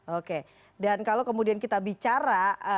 oke dan kalau kemudian kita bicara